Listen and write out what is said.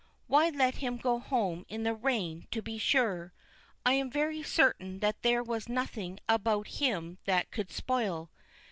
_ Why let him go home in the rain, to be sure. I'm very certain there was nothing about him that could spoil.